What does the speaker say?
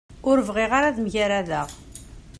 Ur bɣiɣ ara ad mgaradeɣ.